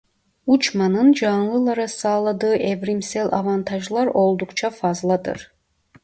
Uçmanın canlılara sağladığı evrimsel avantajlar oldukça fazladır.